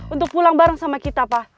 untuk pulang bareng sama kita pak